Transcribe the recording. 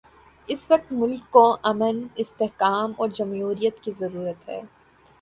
اس وقت ملک کو امن، استحکام اور جمہوریت کی ضرورت ہے۔